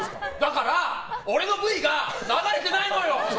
俺のＶが流れてないのよ！